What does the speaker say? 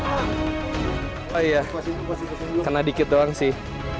oh iya kena dikit doang sih